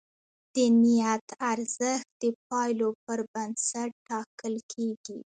د نیت ارزښت د پایلو پر بنسټ ټاکل کېږي.